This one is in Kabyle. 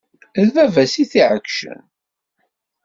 D baba-s i t-iɛeggcen.